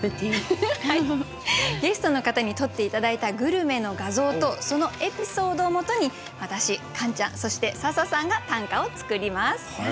ゲストの方に撮って頂いたグルメの画像とそのエピソードをもとに私カンちゃんそして笹さんが短歌を作ります。